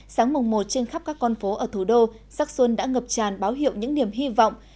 sáng mùng một trên khắp các con phố ở thủ đô sắc xuân đã ngập tràn báo hiệu những niềm hy vọng